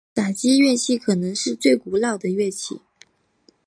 打击乐器可能是最古老的乐器。